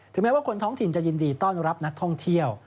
แม้ว่าคนท้องถิ่นจะยินดีต้อนรับนักท่องเที่ยว